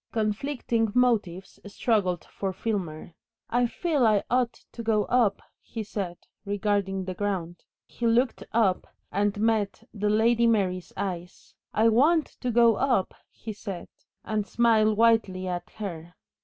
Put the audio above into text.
Conflicting motives struggled for Filmer. "I feel I ought to go up," he said, regarding the ground. He looked up and met the Lady Mary's eyes. "I want to go up," he said, and smiled whitely at her.